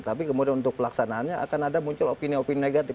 tapi kemudian untuk pelaksanaannya akan ada muncul opini opini negatif